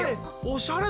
おしゃれ！